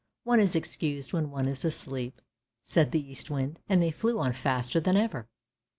" One is excused w r hen one is asleep! " said the Eastwind, and they flew on faster than ever.